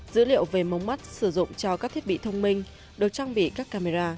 dữ liệu về mống mắt sử dụng cho các thiết bị thông minh được trang bị các camera